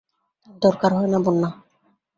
তার দরকার হয় না বন্যা।